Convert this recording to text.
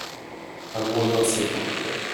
Pas moins d’un siècle, en tout cas